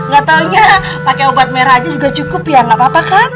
gatau nya pake obat merah aja juga cukup ya gapapa kan